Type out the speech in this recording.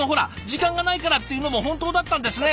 時間がないからっていうのも本当だったんですね。